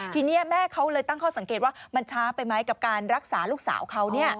ทีนี้แม่เขาเลยตั้งข้อสังเกตว่ามันช้าไปไหมกับการรักษาลูกสาวเขา